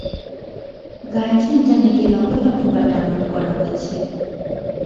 গানটি ইন্টারনেটে লক্ষ লক্ষ বার ডাউনলোড করা হয়েছে।